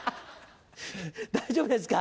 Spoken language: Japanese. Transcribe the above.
大丈夫ですか？